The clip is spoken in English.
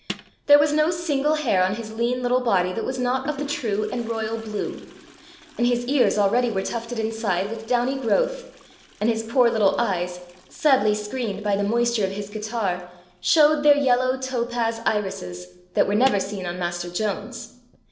There was no single hair on his lean little body that was not of the true and royal blue, and his ears already were tufted inside with downy growth, and his poor little eyes, sadly screened by the moisture of his catarrh, showed their yellow topaz irises, that were never seen on Master Jones.